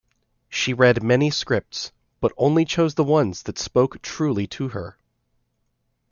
She read many scripts, but only chose the ones that spoke truly to her.